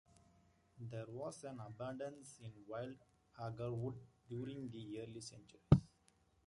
There was an abundance in wild Agarwood during the early centuries.